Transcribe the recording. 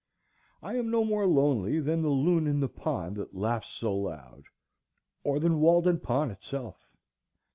I am no more lonely than the loon in the pond that laughs so loud, or than Walden Pond itself.